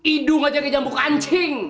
idung aja kejam buk ancing